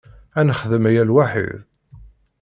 Ad nexdem aya lwaḥid.